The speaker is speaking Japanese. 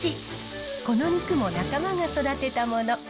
この肉も仲間が育てたもの。